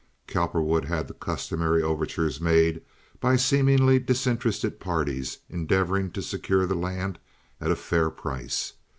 Cowperwood had the customary overtures made by seemingly disinterested parties endeavoring to secure the land at a fair price.